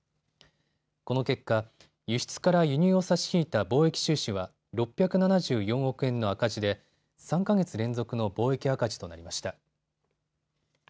この結果、輸出から輸入を差し引いた貿易収支は６７４億円の赤字で３か月連続の貿易赤字となりました。